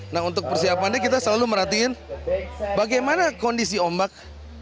nah untuk persiapannya kita selalu merhatiin bagaimana kondisi ombak